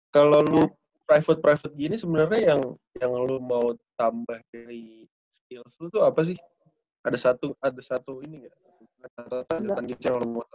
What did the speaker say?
kalo lu private private ini sebenernya yang lu mau tambah dari skills lu tuh apa sih ada satu ini ya